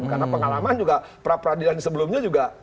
karena pengalaman juga prapradina sebelumnya juga